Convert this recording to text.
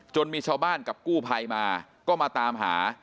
มีชาวบ้านกับกู้ภัยมาก็มาตามหา